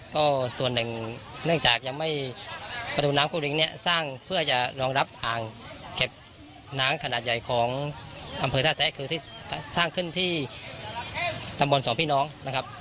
ก็ส่วนหนึ่งเนื่องจากยังไม่ประตูน้ำครูริงเนี่ยสร้างเพื่อจะรองรับอ่างเก็บน้ำขนาดใหญ่ของอำเภอท่าแซะคือที่สร้างขึ้นที่ตำบลสองพี่น้องนะครับ